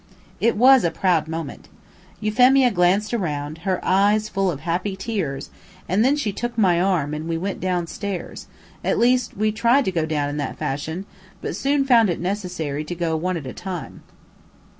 It was a proud moment. Euphemia glanced around, her eyes full of happy tears, and then she took my arm and we went down stairs at least we tried to go down in that fashion, but soon found it necessary to go one at a time.